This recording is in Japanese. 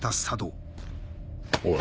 おい。